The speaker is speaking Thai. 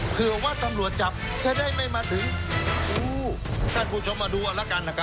เผื่อว่าตำรวจจับจะได้ไม่มาถึงอู้ท่านผู้ชมมาดูเอาละกันนะครับ